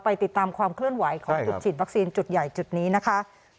ติดตามความเคลื่อนไหวของจุดฉีดวัคซีนจุดใหญ่จุดนี้นะคะ